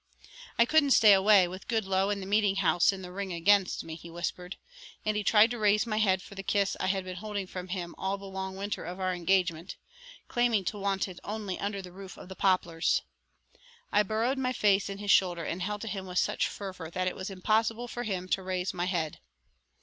"I couldn't stay away with Goodloe and the meeting house in the ring against me," he whispered, and he tried to raise my head for the kiss I had been holding from him all the long winter of our engagement, claiming to want it only under the roof of the Poplars. I burrowed my face in his shoulder and held to him with such fervor that it was impossible for him to raise my head.